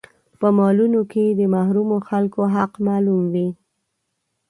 په مالونو کې يې د محرومو خلکو حق معلوم وي.